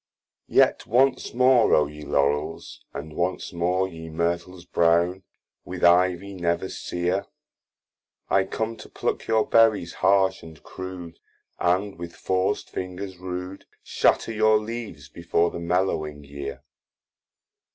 YET once more, O ye Laurels, and once more Ye Myrtles brown, with Ivy never sear, I com to pluck your Berries harsh and crude, And with forc'd fingers rude, Shatter your leaves before the mellowing year.